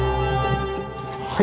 はい。